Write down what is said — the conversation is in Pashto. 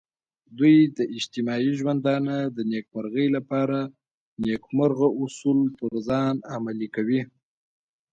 دوی د اجتماعي ژوندانه د نیکمرغۍ لپاره نیکمرغه اصول پر ځان عملي کوي.